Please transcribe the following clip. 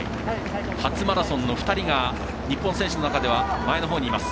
初マラソンの２人が日本選手の中では前の方にいます。